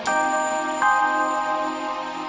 ke tempat lain